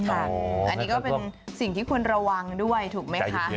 อันนี้ก็เป็นสิ่งที่ควรระวังด้วยถูกไหมคะ